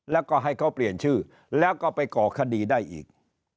แล้วก็ให้เขาเปลี่ยนชื่อแล้วก็ไปก่อคดีได้อีก